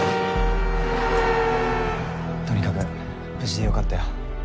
とにかく無事でよかったよ。